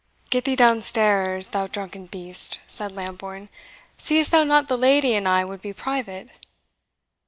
"Get thee downstairs, thou drunken beast," said Lambourne; "seest thou not the lady and I would be private?"